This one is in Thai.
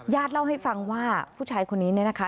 ญาติเล่าให้ฟังว่าผู้ชายคนนี้นะคะ